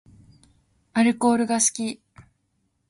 アルコールが好き